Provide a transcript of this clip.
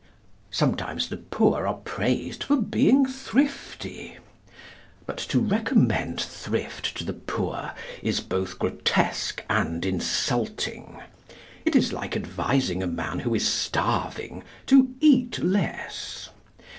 Sometimes the poor are praised for being thrifty. But to recommend thrift to the poor is both grotesque and insulting. It is like advising a man who is starving to eat less.